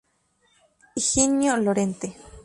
Higinio Lorente.